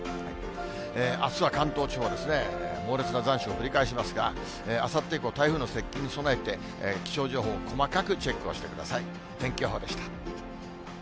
あすは関東地方ですね、猛烈な残暑ぶり返しますが、あさって以降、台風の接近に備えて気象情報、細かくチェックをしてください。